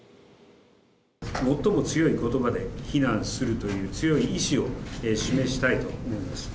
最も強いことばで非難するという強い意思を示したいと思います。